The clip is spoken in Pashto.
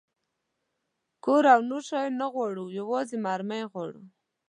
کور او نور شیان نه غواړو، یوازې مرمۍ غواړو.